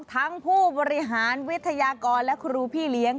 ทั้งผู้บริหารวิทยากรและครูพี่เลี้ยง